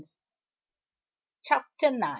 Chapter IX.